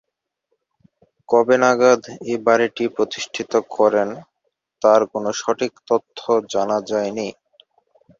কবে নাগাদ এই বাড়িটি প্রতিষ্ঠিত করেন তার কোনো সঠিক তথ্য জানা যায়নি।